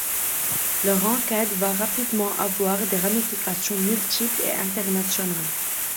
Leur enquête va rapidement avoir des ramifications multiples et internationales.